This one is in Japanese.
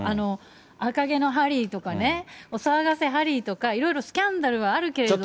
赤毛のハリーとかね、お騒がせハリーとか、いろいろスキャンダルはあるけれども。